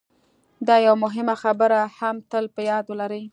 دا یوه مهمه خبره هم تل په یاد ولرئ